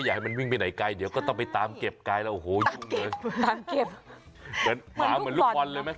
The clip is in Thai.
อย่างงั้นหมาเหมือนลูกวันเลยไหม